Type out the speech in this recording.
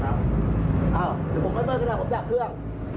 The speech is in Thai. เดี๋ยวผมก็เติ้ลที่นั่นผมจากเครื่อง